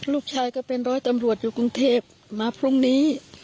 ลูกชายก็เป็นร้อยตำรวจอยู่กรุงเทพมาพรุ่งนี้